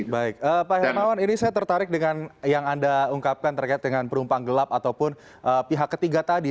baik pak hermawan ini saya tertarik dengan yang anda ungkapkan terkait dengan perumpang gelap ataupun pihak ketiga tadi